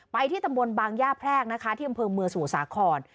ที่ตำบลบางย่าแพรกนะคะที่อำเภอเมืองสมุทรสาคร